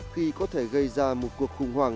khi có thể gây ra một cuộc khủng hoảng